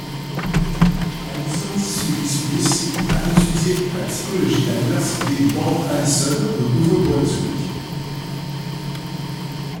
Alison Sealy-Smith a étudié la psychologie à l’université Mount Allison, au Nouveau-Brunswick.